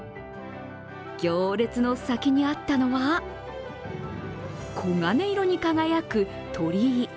行列の先にあったのは、黄金色に輝く鳥居。